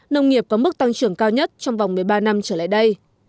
nông nghiệp có mức tăng trưởng cao nhất trong vòng một mươi ba năm trở lại đây